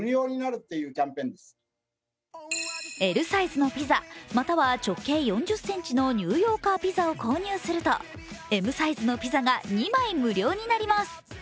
Ｌサイズのピザ、または直径４０ｃｍのニューヨーカーピザを購入するとＬサイズのピザが２枚無料になります。